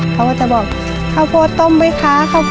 เขาก็จะบอกข้าวโพดต้มไหมคะ